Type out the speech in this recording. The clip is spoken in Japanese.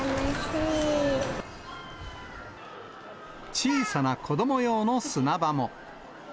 小さな子ども用の砂場も。